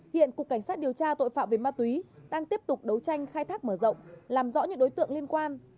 hiện cục cảnh sát điều tra tội phạm về ma túy đang tiếp tục đấu tranh khai thác mở rộng làm rõ những đối tượng liên quan